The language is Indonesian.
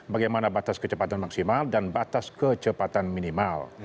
bagaimana batas kecepatan maksimal dan batas kecepatan minimal